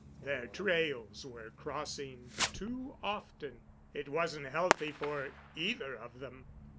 Their trails were crossing too often. It wasn't healthy for either of them.